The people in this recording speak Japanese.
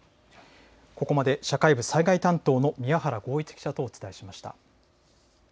ここまで社会部災害担当の宮原豪一記者とお伝えしました。